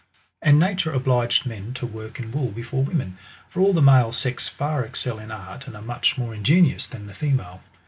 And nature obliged men to work in wool before women ; for all the male sex far excel in art, and are much more inge nious than the female.